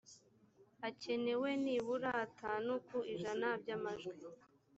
hakenewe nibura atanu ku ijana byamajwi.